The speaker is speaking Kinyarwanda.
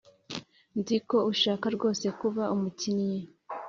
“nzi ko ushaka rwose kuba umukinnyi,